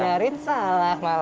mau ngajarin salah malah